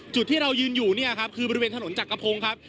จุดที่เรายืนอยู่เนี่ยครับคือบริเวณถนนจักรพงศ์ครับ